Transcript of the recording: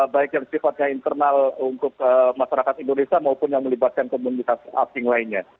baik yang sifatnya internal untuk masyarakat indonesia maupun yang melibatkan komunitas asing lainnya